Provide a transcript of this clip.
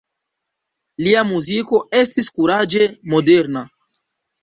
Lia muziko estis kuraĝe moderna.